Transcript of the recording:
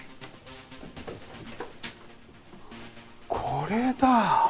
これだ！